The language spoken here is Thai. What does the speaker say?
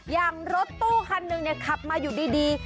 อย่างรถตู้คันหนึ่งขับมาอยู่ดี